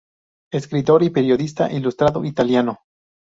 Escritor y periodista ilustrado italiano.